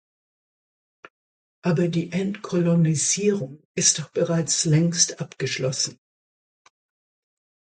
Aber die Entkolonisierung ist doch bereits längst abgeschlossen.